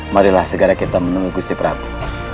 marilah segera kita menunggu gusi prabu